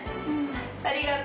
ありがと！